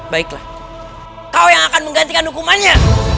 baiklah kau yang akan menggantikan hukumannya